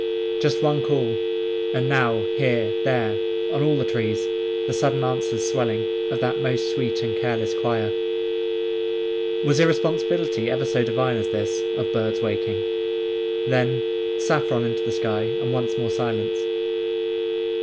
Just one call—and now, here, there, on all the trees, the sudden answers swelling, of that most sweet and careless choir. Was irresponsibility ever so divine as this, of birds waking? Then—saffron into the sky, and once more silence!